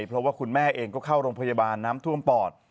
เพราะว่าคุณแม่เองก็เข้าโรงพยาบาลน้ำท่วมปอด